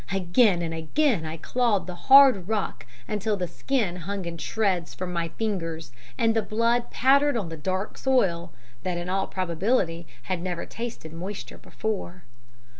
Again and again I clawed the hard rock, until the skin hung in shreds from my fingers, and the blood pattered on the dark soil, that in all probability had never tasted moisture before.